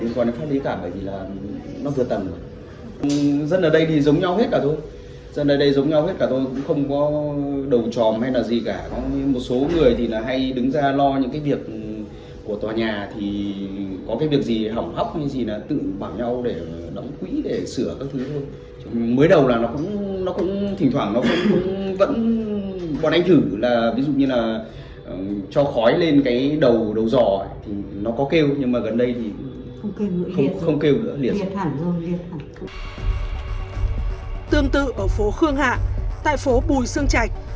tương tự ở phố khương hạ tại phố bùi sương trạch